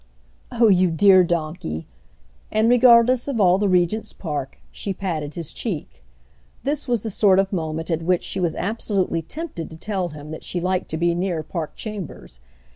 "Oh you dear donkey!"—and, regardless of all the Regent's Park, she patted his cheek. This was the sort of moment at which she was absolutely tempted to tell him that she liked to be near Park Chambers.